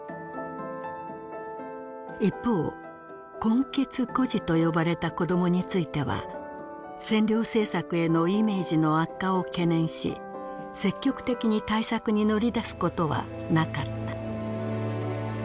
一方混血孤児とよばれた子どもについては占領政策へのイメージの悪化を懸念し積極的に対策に乗り出すことはなかった。